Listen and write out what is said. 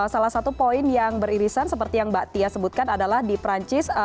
salah satu poin yang beririsan seperti yang mbak tia sebutkan adalah di perancis